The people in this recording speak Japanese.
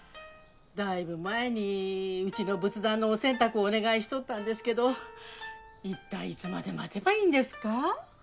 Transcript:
だいぶ前にうちの仏壇のお洗濯をお願いしとったんですけどいったいいつまで待てばいいんですか？